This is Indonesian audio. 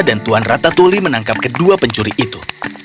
dan tuan ratatuli menangkap kedua pencuri itu